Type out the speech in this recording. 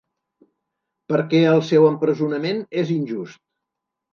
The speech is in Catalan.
Perquè el seu empresonament és injust.